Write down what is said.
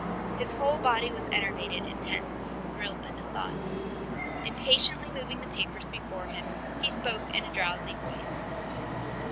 His whole body was enervated and tense, thrilled by the thought. Impatiently moving the papers before him, he spoke in a drowsy voice.